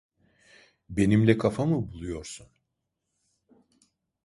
Benimle kafa mı buluyorsun?